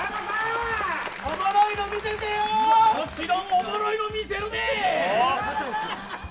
もちろんおもろいの見せるで。